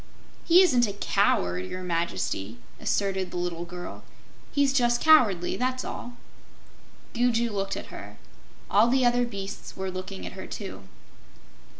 "He isn't a coward, Your Majesty," asserted the little girl, "He's just cowardly, that's all." Gugu looked at her. All the other beasts were looking at her, too.